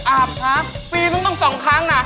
อาบครับปีมึงต้อง๒ครั้งนะ